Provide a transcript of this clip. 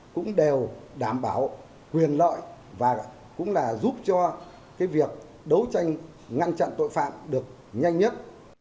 cũng đều đảm bảo quyền lợi và giúp cho việc đấu tranh ngăn chặn tội phạm được nhanh nhất